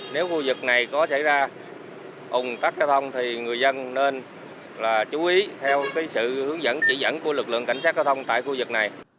nếu khu vực này có xảy ra ủng tắc giao thông thì người dân nên chú ý theo sự hướng dẫn chỉ dẫn của lực lượng cảnh sát giao thông tại khu vực này